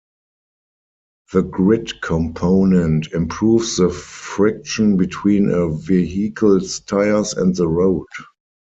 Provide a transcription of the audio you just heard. The grit component improves the friction between a vehicle's tires and the road.